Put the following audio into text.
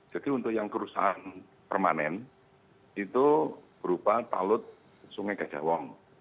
jadi untuk yang perusahaan permanen itu berupa talut sungai gajah wong